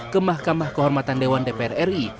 ke mahkamah kehormatan dewan dpr ri